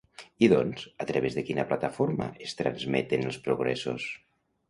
I doncs, a través de quina plataforma es transmeten els progressos?